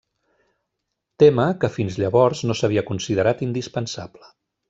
Tema que fins llavors no s'havia considerat indispensable.